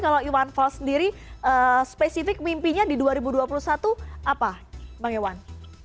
kalau iwan fals sendiri spesifik mimpinya di dua ribu dua puluh satu apa bang iwan